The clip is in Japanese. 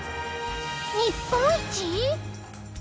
日本一！？